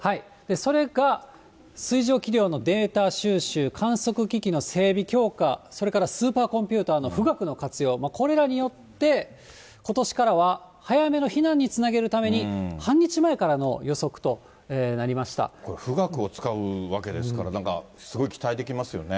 それが水蒸気量のデータ収集、観測機器の整備強化、それからスーパーコンピューターの富岳の活用、これらによってことしからは早めの避難につなげるために、これ、富岳を使うわけですから、なんかすごい期待できますよね。